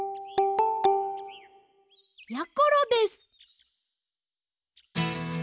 やころです！